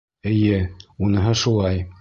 Эйе, уныһы шулай.